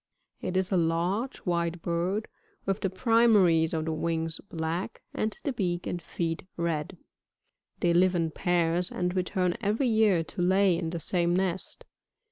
It is a large, white bird, with the primaries of the wings black, and the beak and feet red. They live in pairs, and return every year to lay in the same nest.